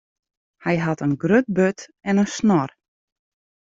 Hy hat in grut burd en in snor.